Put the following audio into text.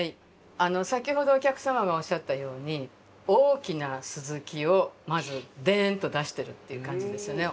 先ほどお客様がおっしゃったように大きな鱸をまずでんと出してるっていう感じですよね。